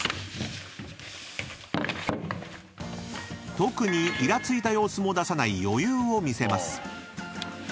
［特にイラついた様子も出さない余裕を見せます］